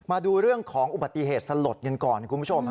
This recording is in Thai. มาดูเรื่องของอุบัติเหตุสลดกันก่อนคุณผู้ชม